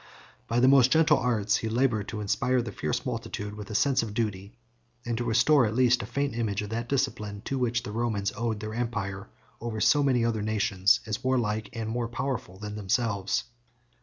73 By the most gentle arts he labored to inspire the fierce multitude with a sense of duty, and to restore at least a faint image of that discipline to which the Romans owed their empire over so many other nations, as warlike and more powerful than themselves.